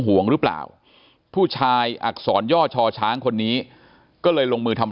ห่วงหรือเปล่าผู้ชายอักษรย่อชอช้างคนนี้ก็เลยลงมือทำ